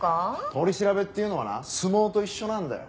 取り調べっていうのはな相撲と一緒なんだよ。